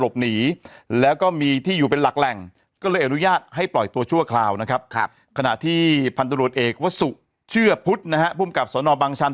ขณะที่พันตรวจเอกวัดสุเชื่อพุธพุมกรรมสำนองศ์บังชัน